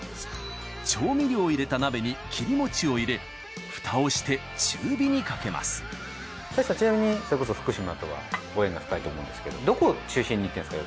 調味料を入れた鍋に太一さんちなみにそれこそ福島とはご縁が深いと思うんですけどどこ中心に行ってんですか？